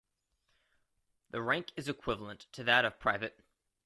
The rank is equivalent to that of Private.